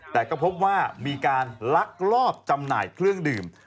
แต่ก็พบว่ามีการลักลอบจำหน่ายเครื่องดื่ม